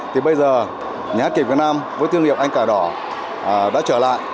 thì bây giờ nhà hát kịch việt nam với thương hiệu anh cả đỏ đã trở lại